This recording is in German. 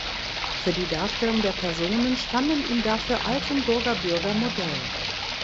Für die Darstellung der Personen standen ihm dafür Altenburger Bürger Modell.